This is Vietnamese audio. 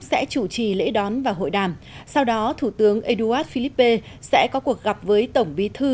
sẽ chủ trì lễ đón và hội đàm sau đó thủ tướng édouard philippe sẽ có cuộc gặp với tổng bí thư